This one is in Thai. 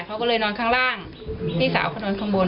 เขาก็เลยนอนข้างล่างพี่สาวเขานอนข้างบน